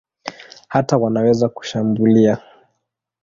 Hata wanaweza kushambulia.